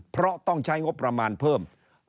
เพราะต้องใช้งบประมาณเพิ่ม